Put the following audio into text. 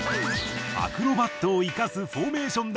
アクロバットを生かすフォーメーション